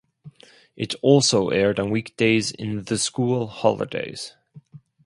It also aired on weekdays in the school holidays.